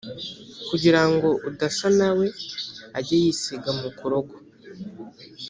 kugira ngo udasa na we ajye yisiga mukorogo